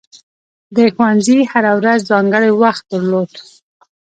د ښوونځي هره ورځ ځانګړی وخت درلود.